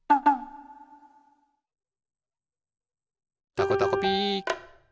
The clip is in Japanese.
「たこたこピー」